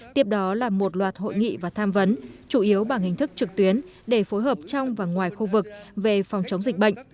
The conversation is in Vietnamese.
tiếp đó là một loạt hội nghị và tham vấn chủ yếu bằng hình thức trực tuyến để phối hợp trong và ngoài khu vực về phòng chống dịch bệnh